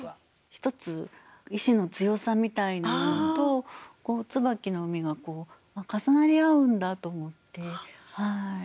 １つ意志の強さみたいなものと椿の実が重なり合うんだと思いました。